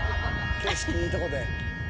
景色いいとこで。